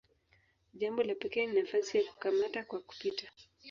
Jambo la pekee ni nafasi ya "kukamata kwa kupita".